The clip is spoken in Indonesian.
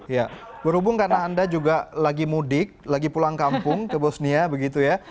ya berhubung karena anda juga lagi mudik lagi pulang kampung ke bosnia begitu ya